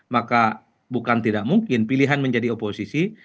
maka bukan tidak mungkin pilihan menjadi oposisi